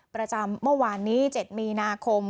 ประจำเมื่อวานนี้๗มีนาคม